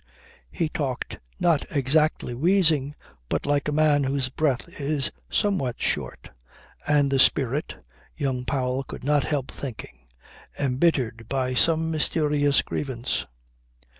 He talked not exactly wheezing, but like a man whose breath is somewhat short, and the spirit (young Powell could not help thinking) embittered by some mysterious grievance.